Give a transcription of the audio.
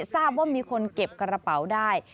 ทราบว่ามีคนเก็บกระเป๋าได้